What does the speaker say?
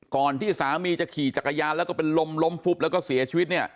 ที่สามีจะขี่จักรยานแล้วก็เป็นลมล้มฟุบแล้วก็เสียชีวิตเนี่ย